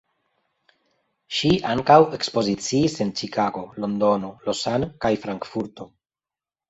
Ŝi ankaŭ ekspoziciis en Ĉikago, Londono, Lausanne, kaj Frankfurto.